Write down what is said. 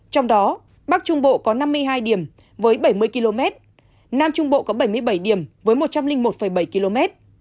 trong đó bắc trung bộ có năm mươi hai điểm với bảy mươi km nam trung bộ có bảy mươi bảy điểm với một trăm linh một bảy km